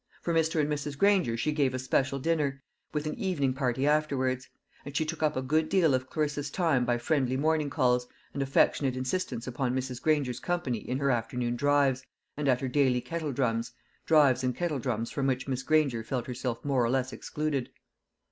For Mr. and Mrs. Granger she gave a special dinner, with an evening party afterwards; and she took up a good deal of Clarissa's time by friendly morning calls, and affectionate insistance upon Mrs. Granger's company in her afternoon drives, and at her daily kettle drums drives and kettle drums from which Miss Granger felt herself more or less excluded.